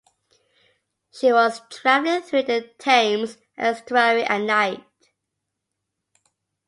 She was travelling through the Thames Estuary at night.